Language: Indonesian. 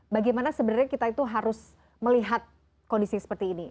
bagaimana sebenarnya kita itu harus melihat kondisi seperti ini